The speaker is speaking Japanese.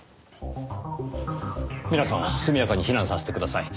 皆さんを速やかに避難させてください。